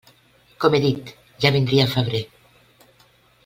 Com he dit: ja vindria febrer.